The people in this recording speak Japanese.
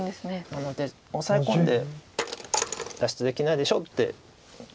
なのでオサエ込んで脱出できないでしょって。